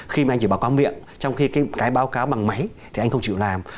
khi mà anh chỉ bảo có miệng trong khi cái báo cáo bằng máy thì anh không chịu làm